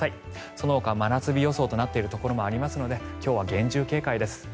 そのほか真夏日予想となっているところもありますので今日は厳重警戒です。